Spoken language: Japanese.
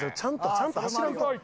ちゃんと走らんと。